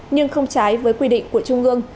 nhưng không trái với quy định của trung ương